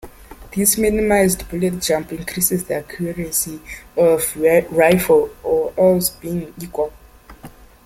This minimized bullet jump increases the accuracy of the rifle, all else being equal.